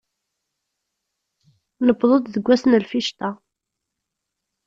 Newweḍ-d deg ass n lficṭa.